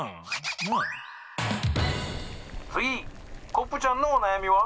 コップちゃんのおなやみは？」。